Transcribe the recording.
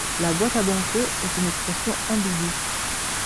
La boîte à Benco est une expression ambigue.